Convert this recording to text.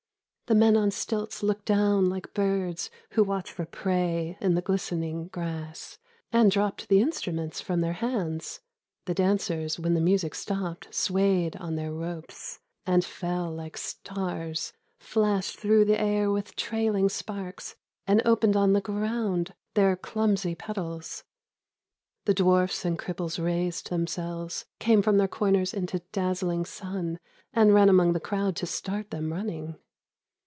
The men on stilts looked down like birds Who watch for prey in the glistening grass, And dropped the instruments from their hands ; The dancers when the music stopped Swayed on their ropes And fell like stars, Flashed through the air with trailing sparks And opened on the ground Their clumsy petals. The dwarfs and cripples raised themselves, Came from their corners into dazzling sun And ran among the crowd to start them running.